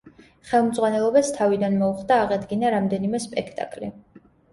ხელმძღვანელობას თავიდან მოუხდა აღედგინა რამდენიმე სპექტაკლი.